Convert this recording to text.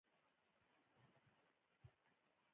د ګډې خونې د جوړېدو هوکړه یې وکړه